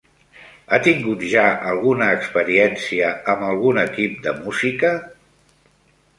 Ha tingut ja alguna experiència amb algun equip de música?